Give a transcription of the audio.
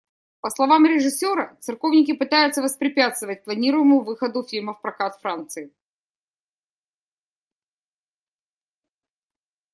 По словам режиссера, церковники пытаются воспрепятствовать планируемому выходу фильма в прокат Франции.